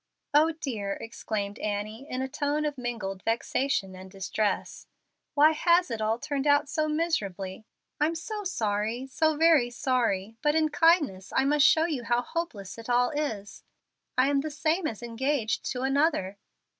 "Oh dear!" exclaimed Annie, in a tone of mingled vexation and distress, "why has it all turned out so miserably? I'm so sorry, so very sorry; but in kindness I must show you how hopeless it all is. I am the same as engaged to another."